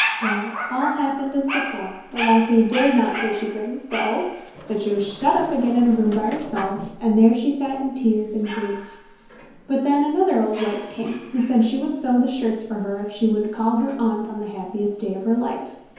Well, all happened as before; the lassie dared not say she couldn't sew; so she was shut up again in a room by herself, and there she sat in tears and grief. But then another old wife came, who said she would sew the shirts for her if she would call her Aunt on the happiest day of her life.